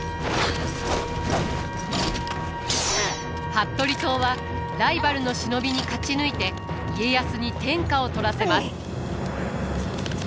服部党はライバルの忍びに勝ち抜いて家康に天下を取らせます。